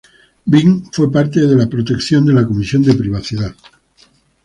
Bing fue parte de la protección de la Comisión de Privacidad.